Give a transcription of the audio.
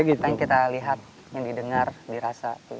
apa yang kita lihat yang didengar dirasa